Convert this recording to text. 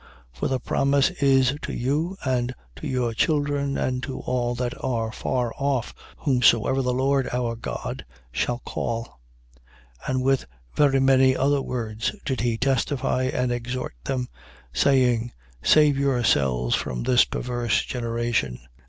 2:39. For the promise is to you and to your children and to all that are far off, whomsoever the Lord our God shall call. 2:40. And with very many other words did he testify and exhort them, saying: Save yourselves from this perverse generation.